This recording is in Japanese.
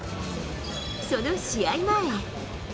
その試合前。